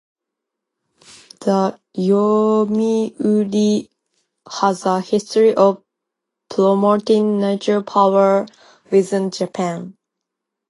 The "Yomiuri" has a history of promoting nuclear power within Japan.